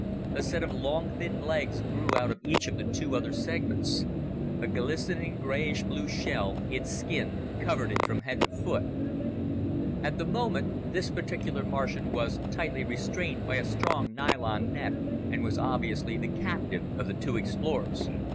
A set of long, thin legs grew out of each of the two other segments. A glistening grayish blue shell, its skin, covered it from head to foot. At the moment, this particular Martian was tightly restrained by a strong nylon net, and was obviously the captive of the two explorers.